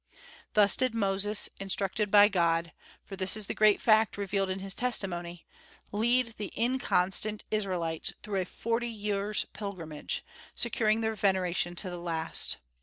Thus did Moses, instructed by God, for this is the great fact revealed in his testimony, lead the inconstant Israelites through a forty years' pilgrimage, securing their veneration to the last.